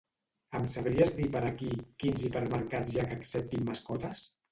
Em sabries dir per aquí quins hipermercats hi ha que acceptin mascotes?